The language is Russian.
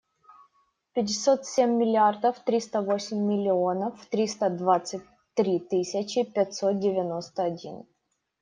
Пятьдесят семь миллиардов тридцать восемь миллионов триста двадцать три тысячи пятьсот девяносто один.